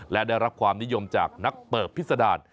และได้รับความนิยมจากนักเปิบพิษดาร